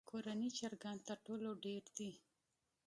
کورني چرګان تر ټولو ډېر دي.